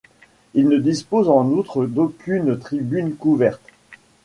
Il ne dispose en outre d'aucune tribune couverte.